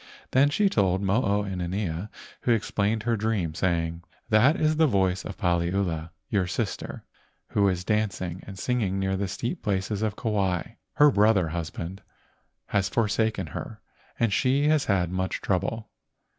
Then she told Mo o inanea, who explained her dream, saying: "That is the voice of Paliula, your sister, who is danc¬ ing and singing near the steep places of Kauai. Her brother husband has forsaken her and she has had much trouble.